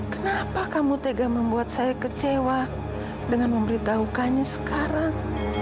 kenapa kamu tega membuat saya kecewa dengan memberitahukannya sekarang